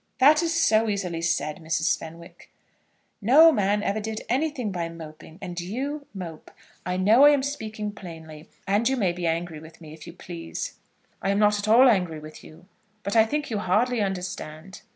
"That is so easily said, Mrs. Fenwick." "No man ever did anything by moping; and you mope. I know I am speaking plainly, and you may be angry with me, if you please." "I am not at all angry with you; but I think you hardly understand."